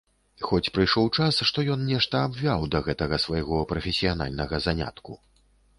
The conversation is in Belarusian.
Хоць прыйшоў час, што ён нешта абвяў да гэтага свайго прафесіянальнага занятку.